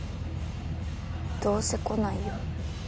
どうせ来ないよ。